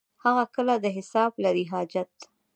هغه کله د حساب لري حاجت.